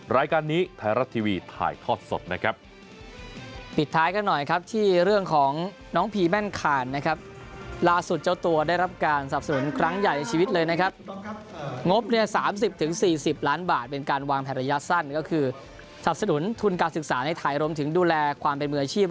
รายการนี้ไทยรัฐทีวีถ่ายทอดสดนะครับ